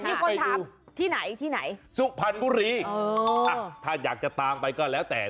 มีคนถามที่ไหนที่ไหนสุพรรณบุรีถ้าอยากจะตามไปก็แล้วแต่